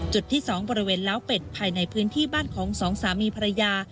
จุดที่๒บริเวณล้าวเป็ดภายในพื้นที่บ้านของสองสามีภรรยา